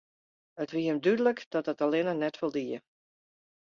It wie him dúdlik dat dat allinne net foldie.